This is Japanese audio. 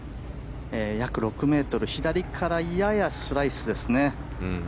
約６ｍ左からややスライスですね。